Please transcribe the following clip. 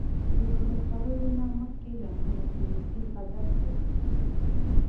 د ډوډۍ خوړلو نه مخکې لاسونه پرېمنځل ادب دی.